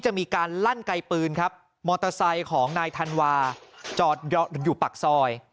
มีการลั่นไกลปืนครับมอเตอร์ไซค์ของนายธันวาจอดอยู่ปากซอย